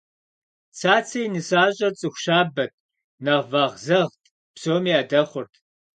Цацэ и нысащӏэр цӏыху щабэт, нэхъ вэгъзэгът, псоми ядэхъурт.